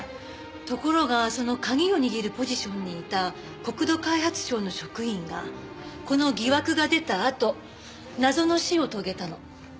ところがその鍵を握るポジションにいた国土開発省の職員がこの疑惑が出たあと謎の死を遂げたの。